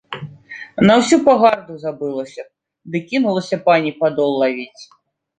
На ўсю пагарду забылася б ды кінулася пані падол лавіць.